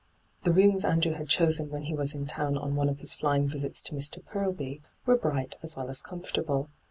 The rooms Andrew had chosen when he was in town on one of his flying visits to Mr. Parlby were bright as well as comfortable.